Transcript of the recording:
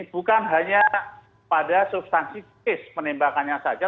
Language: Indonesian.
bukan hanya pada substansi case penembakannya saja